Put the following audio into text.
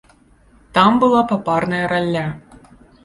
Там была папарная ралля.